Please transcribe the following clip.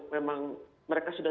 memang mereka sudah